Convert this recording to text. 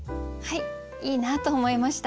いいなと思いました。